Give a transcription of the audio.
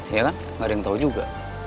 iya kan gak ada yang tau juga